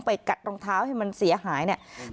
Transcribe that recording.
กัดรองเท้าให้มันเสียหายเนี่ย